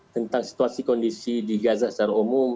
tentang situasi kondisi di gaza secara umum